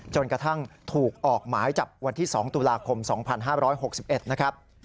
จนกระทั่งถูกออกหมายจับวันที่๒ตุลาคม๒๕๖๑นะครับ